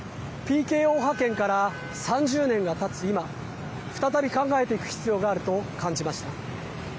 ＰＫＯ派遣から３０年がたつ今再び考えていく必要があると感じました。